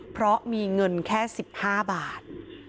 เพราะมีเงินแค่๑๕บาท